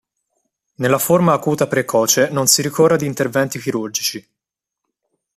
Nella forma acuta precoce non si ricorre ad interventi chirurgici.